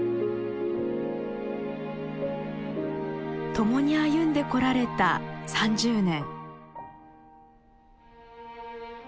共に歩んでこられた３０年。